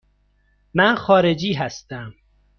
من خارجی هستم.